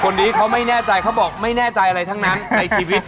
คนนี้เขาไม่แน่ใจเขาบอกไม่แน่ใจอะไรทั้งนั้นในชีวิต